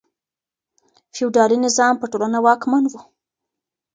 فیوډالي نظام په ټولنه واکمن و.